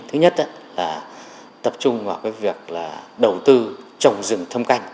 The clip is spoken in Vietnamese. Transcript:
thứ nhất là tập trung vào việc đầu tư trồng rừng thâm canh